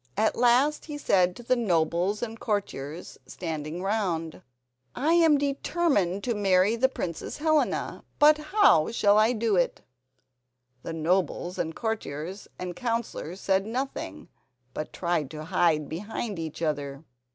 At last he said to the nobles and courtiers standing round: "I am determined to marry the Princess Helena, but how shall I do it?" The nobles, courtiers and counsellors said nothing, but tried to hide behind each other.